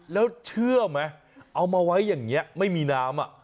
แล้วเชื่อไหมเอามาไว้อย่างนี้ไม่มีน้ำ